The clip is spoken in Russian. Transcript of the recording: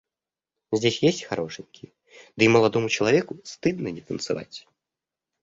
Здесь есть хорошенькие, да и молодому человеку стыдно не танцевать.